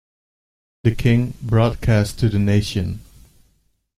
The King broadcast to the nation.